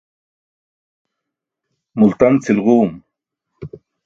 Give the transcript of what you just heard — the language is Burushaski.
Multan cʰilġuum.